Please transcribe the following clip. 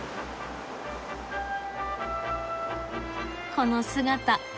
この姿。